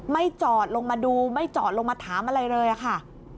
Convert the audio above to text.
จอดลงมาดูไม่จอดลงมาถามอะไรเลยค่ะ